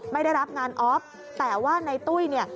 ไม่ได้รับงานออฟแต่ว่าในตุ้ยเนี่ย